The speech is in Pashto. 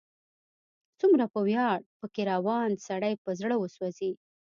څومره په ویاړ، په کې روان، سړی په زړه وسوځي